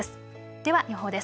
では予報です。